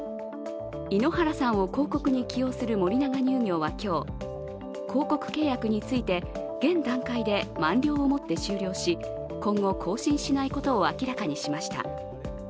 井ノ原さんを広告に起用する森永乳業は今日広告契約について、現段階で満了をもって終了し、今後更新しないことを明らかにしました。